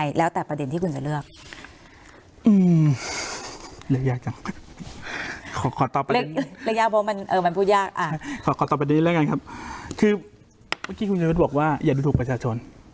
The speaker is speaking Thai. อือมมมมมมมมเรียกยากจังแล้วกทีคุณชันวิทย์บอกว่าอย่าเถอะถูกประชาชน